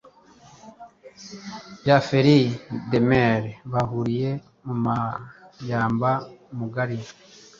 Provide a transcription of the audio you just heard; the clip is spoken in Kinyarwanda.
Bya Fairy Damel bahuriye mumahyamba mugari